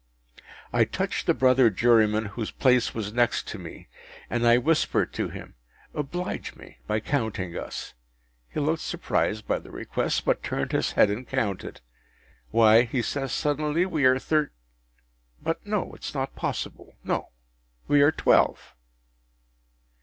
I touched the brother jurymen whose place was next me, and I whispered to him, “Oblige me by counting us.” He looked surprised by the request, but turned his head and counted. “Why,” says he, suddenly, “we are Thirt—; but no, it’s not possible. No. We are twelve.